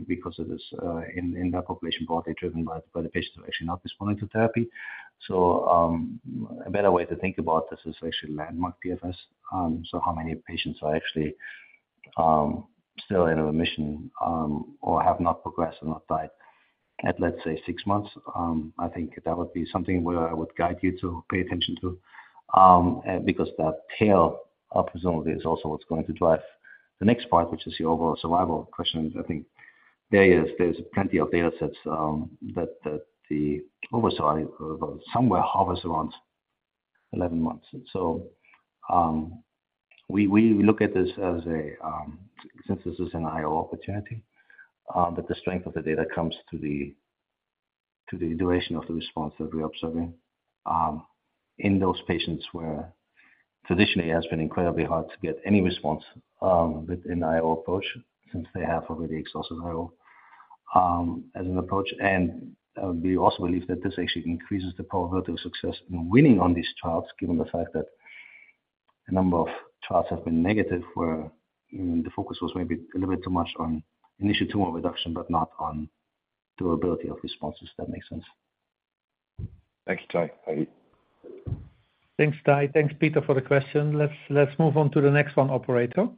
because of this, in that population, broadly driven by the patients who are actually not responding to therapy. So, a better way to think about this is actually landmark PFS. So how many patients are actually still in remission, or have not progressed or not died at, let's say, 6 months. I think that would be something where I would guide you to pay attention to. And because that tail, presumably, is also what's going to drive the next part, which is the overall survival question. I think there is, there's plenty of data sets that the OS somewhere hovers around 11 months. And so, we look at this as a since this is an IO opportunity, but the strength of the data comes to the duration of the response that we're observing in those patients where traditionally, it has been incredibly hard to get any response with an IO approach since they have already exhausted IO as an approach. And we also believe that this actually increases the probability of success in winning on these trials, given the fact that a number of trials have been negative, where the focus was maybe a little bit too much on initial tumor reduction, but not on durability of responses, if that makes sense. Thanks, Tahi. Thanks, Tahi. Thanks, Peter, for the question. Let's move on to the next one, operator.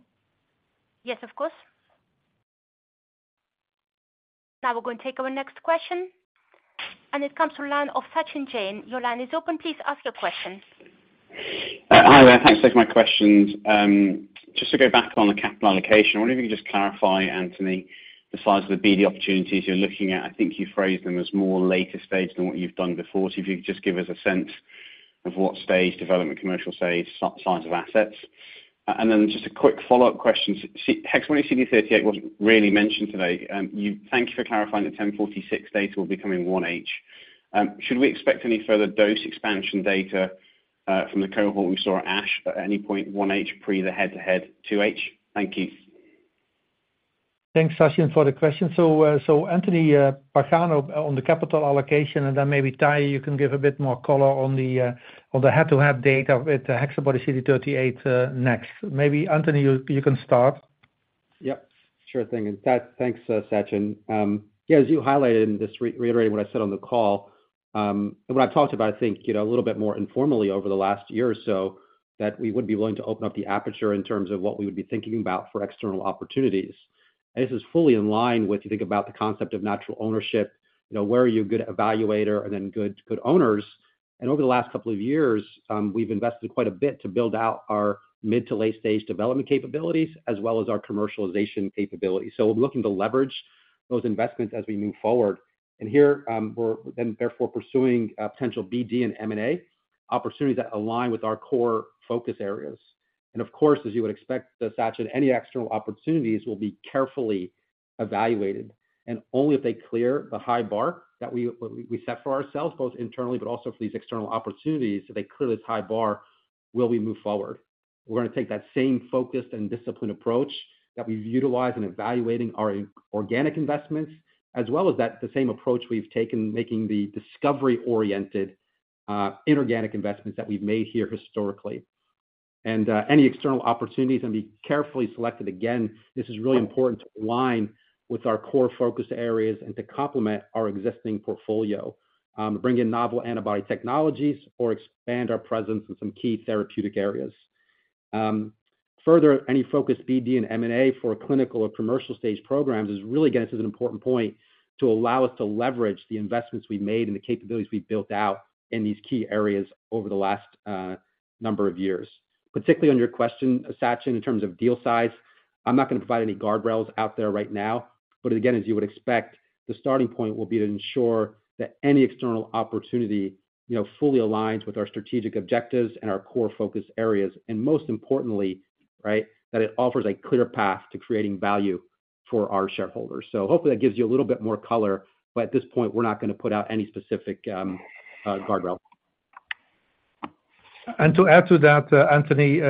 Yes, of course. Now we're going to take our next question, and it comes from line of Sachin Jain. Your line is open. Please ask your question. Hi there. Thanks for my questions. Just to go back on the capital allocation. I wonder if you could just clarify, Anthony, the size of the BD opportunities you're looking at. I think you phrased them as more later stage than what you've done before. So if you could just give us a sense of what stage development, commercial stage, size of assets. And then just a quick follow-up question. HexaBody CD38 wasn't really mentioned today. You thank you for clarifying the 1046 data will be coming 1H. Should we expect any further dose expansion data from the cohort we saw at ASH, at any point 1H pre the head-to-head, 2H? Thank you. Thanks, Sachin, for the question. So, Anthony, start off on the capital allocation, and then maybe, Tahi, you can give a bit more color on the head-to-head data with the HexaBody CD38 next. Maybe, Anthony, you can start. Yep. Sure thing. Thanks, Sachin. Yeah, as you highlighted, and just reiterating what I said on the call, and what I've talked about, I think, you know, a little bit more informally over the last year or so, that we would be willing to open up the aperture in terms of what we would be thinking about for external opportunities. This is fully in line with, you think about the concept of natural ownership, you know, where are you a good evaluator and then good, good owners. And over the last couple of years, we've invested quite a bit to build out our mid to late-stage development capabilities, as well as our commercialization capabilities. So we're looking to leverage those investments as we move forward. And here, we're then therefore pursuing potential BD and M&A opportunities that align with our core focus areas. And of course, as you would expect, Sachin, any external opportunities will be carefully evaluated, and only if they clear the high bar that we, we set for ourselves, both internally but also for these external opportunities, so they clear this high bar, will we move forward. We're gonna take that same focused and disciplined approach that we've utilized in evaluating our organic investments, as well as that, the same approach we've taken, making the discovery-oriented, inorganic investments that we've made here historically. And, any external opportunities can be carefully selected. Again, this is really important to align with our core focus areas and to complement our existing portfolio, to bring in novel antibody technologies or expand our presence in some key therapeutic areas. Further, any focus BD and M&A for clinical or commercial stage programs is really, again, this is an important point, to allow us to leverage the investments we've made and the capabilities we've built out in these key areas over the last number of years. Particularly on your question, Sachin, in terms of deal size, I'm not gonna provide any guardrails out there right now, but again, as you would expect, the starting point will be to ensure that any external opportunity, you know, fully aligns with our strategic objectives and our core focus areas, and most importantly, right, that it offers a clear path to creating value for our shareholders. So hopefully that gives you a little bit more color, but at this point, we're not gonna put out any specific guardrail. And to add to that, Anthony,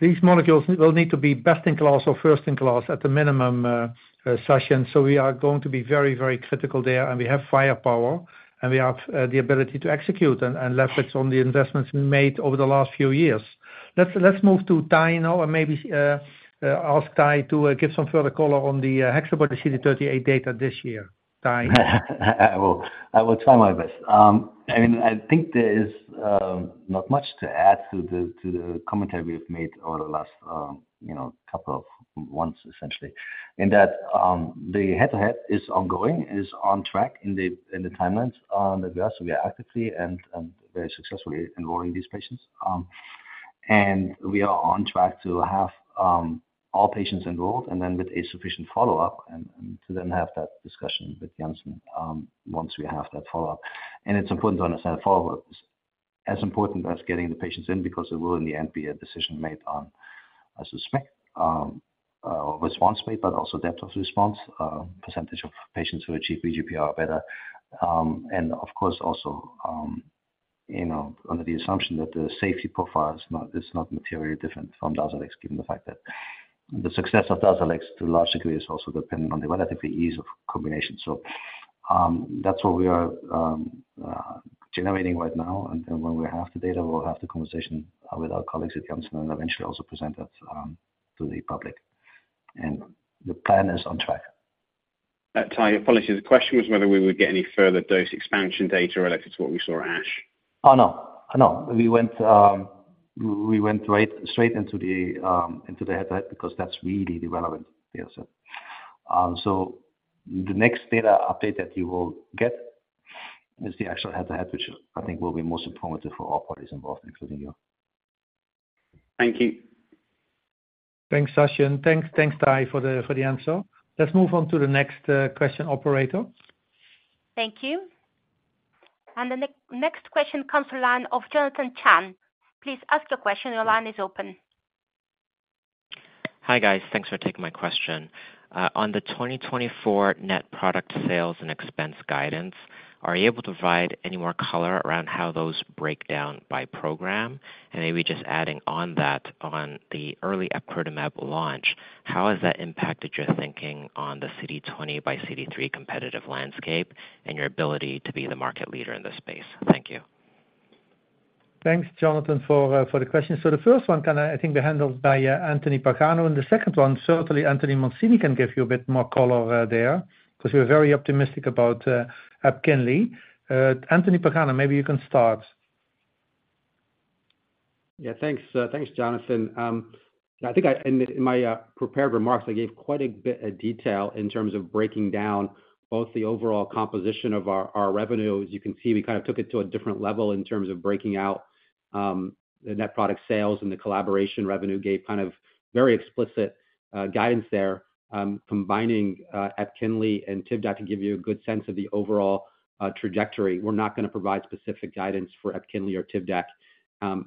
these molecules will need to be best in class or first in class at the minimum. So we are going to be very, very critical there, and we have firepower, and we have the ability to execute and leverage on the investments we made over the last few years. Let's move to Tahi now, and maybe ask Tahi to give some further color on the HexaBody CD38 data this year. Tahi? I will try my best. I mean, I think there is not much to add to the commentary we've made over the last you know, couple of months, essentially. In that, the head-to-head is ongoing, is on track in the timelines that we have. So we are actively and very successfully enrolling these patients. And we are on track to have all patients enrolled, and then with a sufficient follow-up, and to then have that discussion with Janssen, once we have that follow-up. And it's important to understand the follow-up is as important as getting the patients in, because there will, in the end, be a decision made on, I suspect, response rate, but also depth of response, percentage of patients who achieve VGPR better. And of course, also, you know, under the assumption that the safety profile is not materially different from DARZALEX, given the fact that the success of DARZALEX to a large degree is also dependent on the relatively ease of combination. So, that's what we are generating right now, and then when we have the data, we'll have the conversation with our colleagues at Janssen and eventually also present that to the public. And the plan is on track.... Ty, apologies. The question was whether we would get any further dose expansion data related to what we saw at ASH? Oh, no. Oh, no. We went right straight into the head-to-head, because that's really the relevant data set. So the next data update that you will get is the actual head-to-head, which I think will be most informative for all parties involved, including you. Thank you. Thanks, Sasha, and thanks, thanks, Ty, for the, for the answer. Let's move on to the next question, operator. Thank you. The next question comes to the line of Jonathan Chang. Please ask your question. Your line is open. Hi, guys. Thanks for taking my question. On the 2024 net product sales and expense guidance, are you able to provide any more color around how those break down by program? And maybe just adding on that, on the early epcoritamab launch, how has that impacted your thinking on the CD20 x CD3 competitive landscape and your ability to be the market leader in this space? Thank you. Thanks, Jonathan, for the question. So the first one, I think be handled by Anthony Pagano, and the second one, certainly Anthony Mancini can give you a bit more color there, because we're very optimistic about EPKINLY. Anthony Pagano, maybe you can start. Yeah, thanks, thanks, Jonathan. I think, in my prepared remarks, I gave quite a bit of detail in terms of breaking down both the overall composition of our revenue. As you can see, we kind of took it to a different level in terms of breaking out the net product sales and the collaboration revenue, gave kind of very explicit guidance there, combining EPKINLY and Tivdak to give you a good sense of the overall trajectory. We're not gonna provide specific guidance for EPKINLY or Tivdak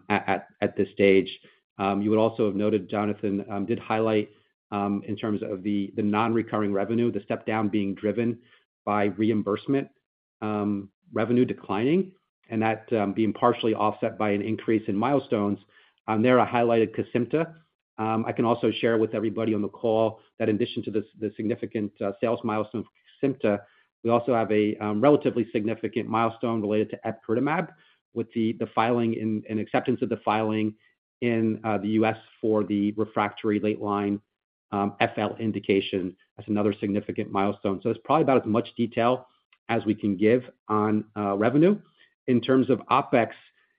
at this stage. You would also have noted, Jonathan, did highlight in terms of the non-recurring revenue, the step-down being driven by reimbursement revenue declining and that being partially offset by an increase in milestones. There, I highlighted Kesimpta. I can also share with everybody on the call that in addition to the significant sales milestone for Kesimpta, we also have a relatively significant milestone related to epcoritamab, with the filing and acceptance of the filing in the U.S. for the refractory late-line FL indication. That's another significant milestone. So it's probably about as much detail as we can give on revenue. In terms of OpEx,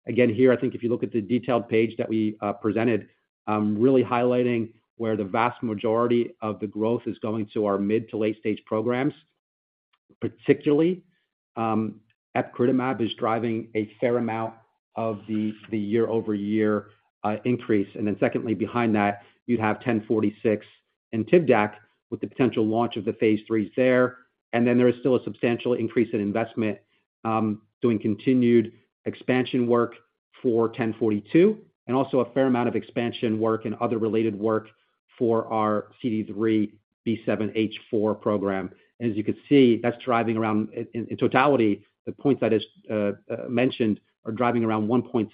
again, here, I think if you look at the detailed page that we presented, really highlighting where the vast majority of the growth is going to our mid- to late-stage programs, particularly epcoritamab is driving a fair amount of the year-over-year increase. And then secondly, behind that, you'd have GEN1046 and Tivdak, with the potential launch of the phase threes there. Then there is still a substantial increase in investment, doing continued expansion work for 1042, and also a fair amount of expansion work and other related work for our CD3xB7H4 program. As you can see, that's driving around. In totality, the points that is mentioned are driving around 1.6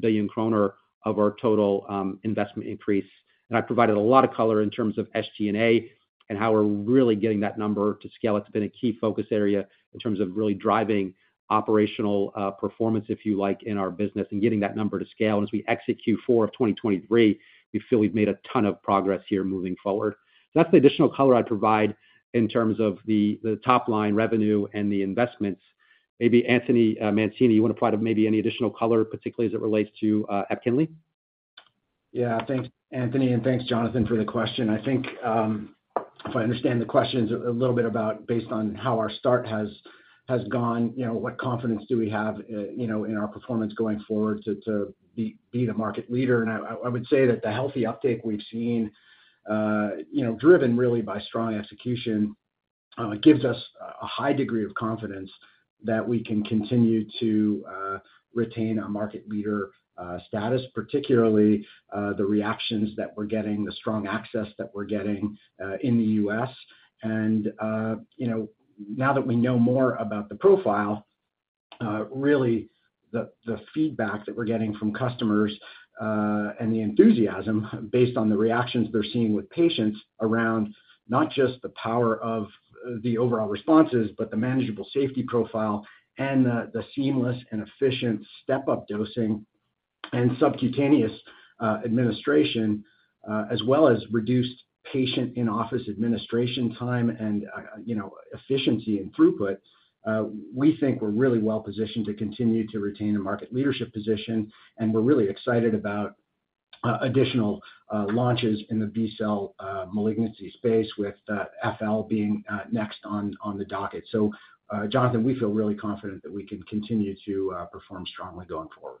billion kroner of our total investment increase. I provided a lot of color in terms of SG&A and how we're really getting that number to scale. It's been a key focus area in terms of really driving operational performance, if you like, in our business and getting that number to scale. As we execute Q4 of 2023, we feel we've made a ton of progress here moving forward. So that's the additional color I'd provide in terms of the top-line revenue and the investments. Maybe Anthony Mancini, you want to provide maybe any additional color, particularly as it relates to EPKINLY? Yeah. Thanks, Anthony, and thanks, Jonathan, for the question. I think, if I understand the questions a little bit about based on how our start has gone, you know, what confidence do we have, you know, in our performance going forward to be the market leader? And I would say that the healthy uptake we've seen, you know, driven really by strong execution, gives us a high degree of confidence that we can continue to retain our market leader status, particularly the reactions that we're getting, the strong access that we're getting in the US. You know, now that we know more about the profile, really the feedback that we're getting from customers, and the enthusiasm based on the reactions they're seeing with patients around not just the power of the overall responses, but the manageable safety profile and the seamless and efficient step-up dosing and subcutaneous administration, as well as reduced patient in-office administration time and, you know, efficiency and throughput, we think we're really well positioned to continue to retain a market leadership position, and we're really excited about additional launches in the B-cell malignancy space, with FL being next on the docket. So, Jonathan, we feel really confident that we can continue to perform strongly going forward.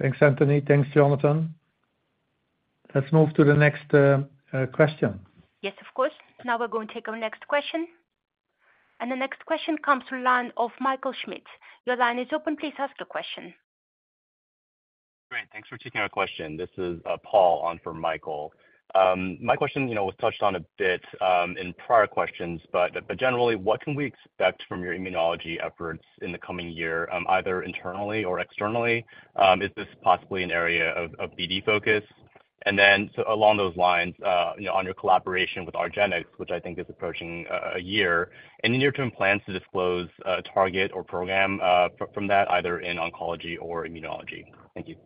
Thanks, Anthony. Thanks, Jonathan. Let's move to the next question. Yes, of course. Now we're going to take our next question. The next question comes to the line of Michael Schmidt. Your line is open. Please ask the question. Great. Thanks for taking my question. This is Paul on for Michael. My question, you know, was touched on a bit in prior questions, but generally, what can we expect from your immunology efforts in the coming year, either internally or externally? Is this possibly an area of BD focus? And then, along those lines, you know, on your collaboration with argenx, which I think is approaching a year, any near-term plans to disclose a target or program from that, either in oncology or immunology? Thank you....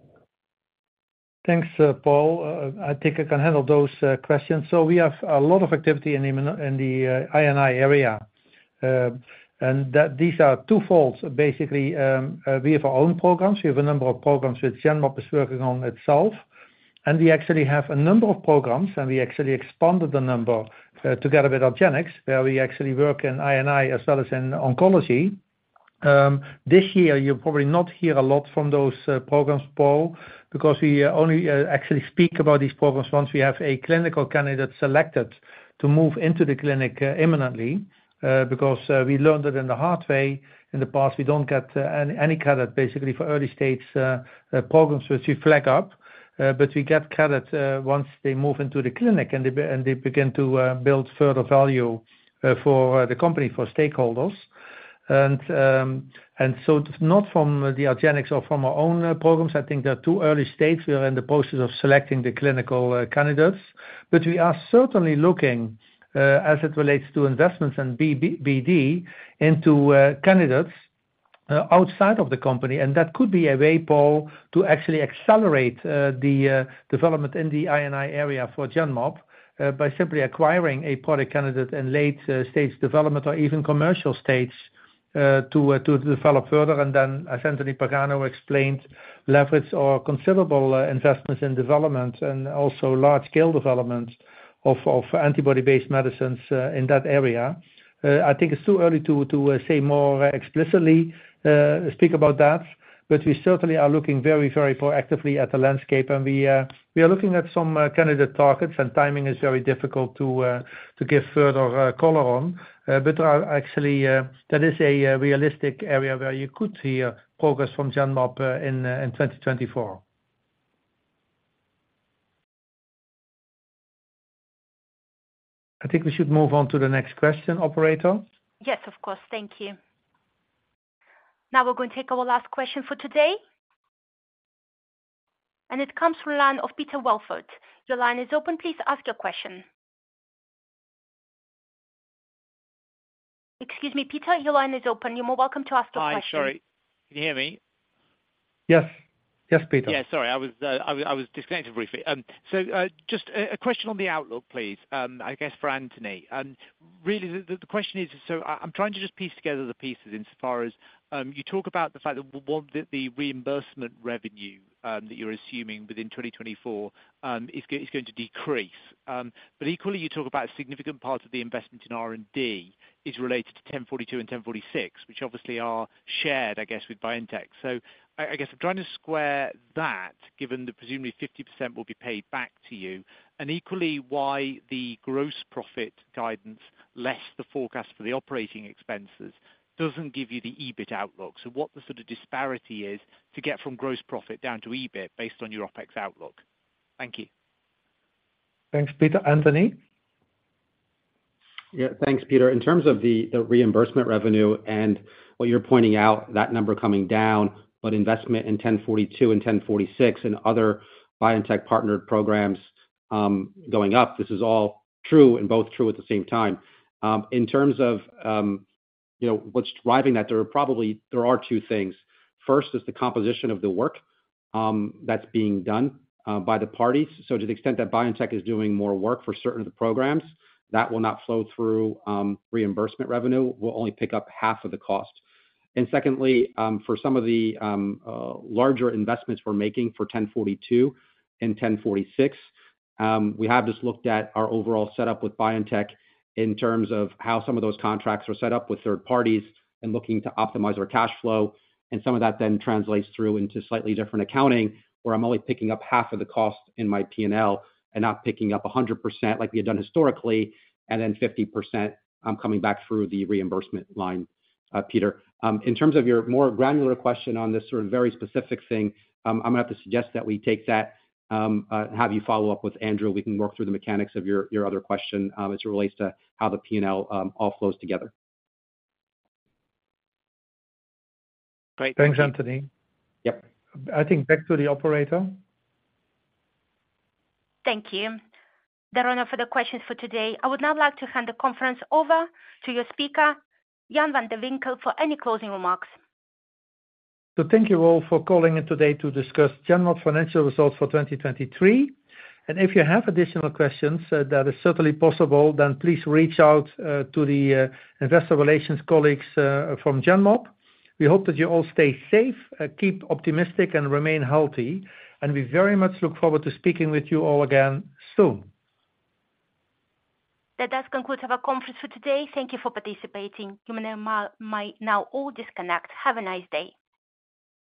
Thanks, Paul. I think I can handle those questions. So we have a lot of activity in the I&I area. And that these are twofolds. Basically, we have our own programs. We have a number of programs which Genmab is working on itself, and we actually have a number of programs, and we actually expanded the number together with argenx, where we actually work in I&I as well as in oncology. This year you'll probably not hear a lot from those programs, Paul, because we only actually speak about these programs once we have a clinical candidate selected to move into the clinic imminently. Because we learned it in the hard way in the past. We don't get any credit, basically, for early-stage programs, which we flag up. But we get credit once they move into the clinic, and they begin to build further value for the company, for stakeholders. And so not from the argenx or from our own programs. I think they're too early stage. We are in the process of selecting the clinical candidates. But we are certainly looking, as it relates to investments and BD, into candidates outside of the company. And that could be a way, Paul, to actually accelerate the development in the I&I area for Genmab by simply acquiring a product candidate in late stage development or even commercial stage to develop further. Then, as Anthony Pagano explained, leverage or considerable investments in development and also large-scale development of antibody-based medicines in that area. I think it's too early to say more explicitly speak about that, but we certainly are looking very, very proactively at the landscape. We are looking at some candidate targets, and timing is very difficult to give further color on. But actually, that is a realistic area where you could see progress from Genmab in 2024. I think we should move on to the next question, operator. Yes, of course. Thank you. Now we're going to take our last question for today. It comes from the line of Peter Welford. Your line is open. Please ask your question. Excuse me, Peter, your line is open. You're more welcome to ask your question. Hi. Sorry. Can you hear me? Yes. Yes, Peter. Yeah, sorry, I was disconnected briefly. So, just a question on the outlook, please, I guess for Anthony. Really, the question is... So I'm trying to just piece together the pieces in as far as you talk about the fact that well, the reimbursement revenue that you're assuming within 2024 is going to decrease. But equally, you talk about significant parts of the investment in R&D is related to 1042 and 1046, which obviously are shared, I guess, with BioNTech. So I guess I'm trying to square that, given that presumably 50% will be paid back to you, and equally, why the gross profit guidance, less the forecast for the operating expenses, doesn't give you the EBIT outlook. So, what the sort of disparity is to get from gross profit down to EBIT based on your OpEx outlook? Thank you. Thanks, Peter. Anthony? Yeah, thanks, Peter. In terms of the reimbursement revenue and what you're pointing out, that number coming down, but investment in 1042 and 1046 and other BioNTech partnered programs, going up, this is all true and both true at the same time. In terms of, you know, what's driving that, there are probably two things. First is the composition of the work, that's being done, by the parties. So to the extent that BioNTech is doing more work for certain of the programs, that will not flow through, reimbursement revenue. We'll only pick up half of the cost. Secondly, for some of the larger investments we're making for 1042 and 1046, we have just looked at our overall setup with BioNTech in terms of how some of those contracts were set up with third parties and looking to optimize our cash flow. And some of that then translates through into slightly different accounting, where I'm only picking up half of the cost in my P&L and not picking up 100% like we had done historically, and then 50%, coming back through the reimbursement line, Peter. In terms of your more granular question on this sort of very specific thing, I'm going to have to suggest that we take that, have you follow up with Andrew. We can work through the mechanics of your other question, as it relates to how the P&L all flows together. Great. Thanks, Anthony. Yep. I think back to the operator. Thank you. There are no further questions for today. I would now like to hand the conference over to your speaker, Jan van de Winkel, for any closing remarks. So thank you all for calling in today to discuss Genmab financial results for 2023, and if you have additional questions, that is certainly possible, then please reach out to the investor relations colleagues from Genmab. We hope that you all stay safe, keep optimistic, and remain healthy, and we very much look forward to speaking with you all again soon. That does conclude our conference for today. Thank you for participating. You may now all disconnect. Have a nice day.